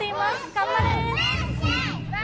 頑張れ！